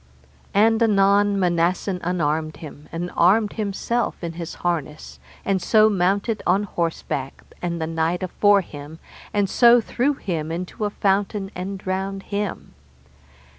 And anon Manassen unarmed him, and armed himself in his harness, and so mounted on horseback, and the knight afore him, and so threw him into the fountain and drowned him.